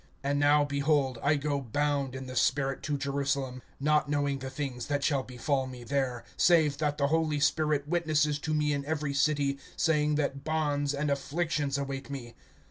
(22)And now, behold, I go bound in the spirit to Jerusalem, not knowing the things that shall befall me there; (23)save that the Holy Spirit witnesses to me in every city, saying that bonds and afflictions await me.